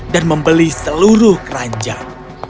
dan dia membeli seluruh kerajaan